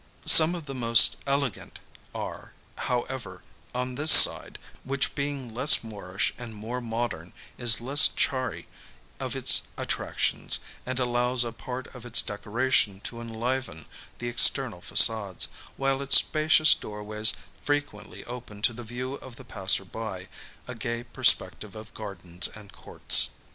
Some of the most elegant are, however, on this side; which being less Moorish and more modern, is less chary of its attractions, and allows a part of its decoration to enliven the external façades; while its spacious doorways frequently open to the view of the passer by a gay perspective of gardens and courts.